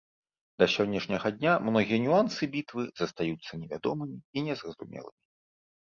Да сённяшняга дня многія нюансы бітвы застаюцца невядомымі і незразумелымі.